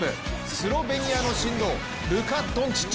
スロベニアの神童ルカ・ドンチッチ。